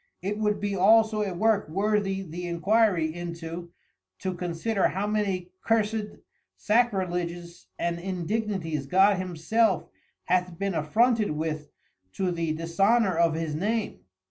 It would be also a Work worthy the inquiry into, to consider how many cursed Sacriledges and Indignities God himself hath been affronted with to the dishonour of his Name.